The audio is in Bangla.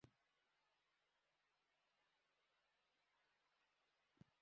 পরিবার দুটির সদস্যরা বলছেন, দুজনই ইসলামী ছাত্রশিবিরের রাজনীতির সঙ্গে জড়িত ছিলেন।